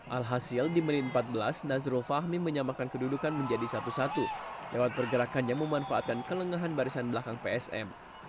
alhasil di menit empat belas nazrul fahmi menyamakan kedudukan menjadi satu satu lewat pergerakannya memanfaatkan kelengahan barisan belakang psm